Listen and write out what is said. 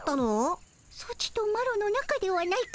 ソチとマロのなかではないか。